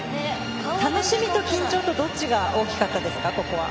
楽しみと緊張とどっちが大きかったですか？